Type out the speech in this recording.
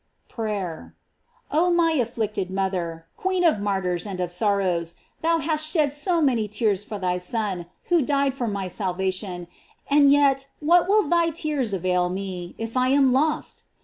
PRAYER. Oh my afflicted mother! queen of martyrs and of sorrows, thou hast shed so many tears for thy Son, who died for my salvation, and yet what will thy tears avail me, if I am lost?